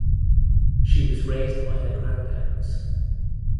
She was raised by her grandparents.